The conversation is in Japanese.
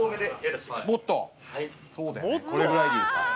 はいこれぐらいでいいですか？